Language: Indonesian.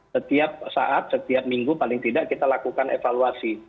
setiap saat setiap minggu paling tidak kita lakukan evaluasi